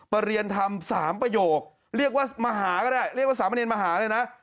ประเรียนทำสามประโยคเรียกว่ามหาก็ได้เรียกว่าสามเมนเอนมหาเลยนะ